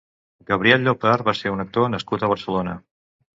Gabriel Llopart va ser un actor nascut a Barcelona.